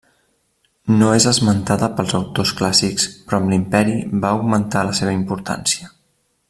No és esmentada pels autors clàssics però amb l'Imperi va augmentar la seva importància.